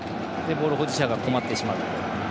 ボール保持者が困ってしまう。